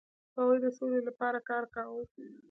هغوی د سولې لپاره کار کاوه.